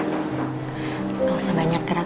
jangan banyak berbicara